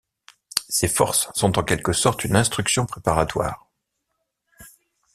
Ces forces sont en quelques sorte une instruction préparatoire.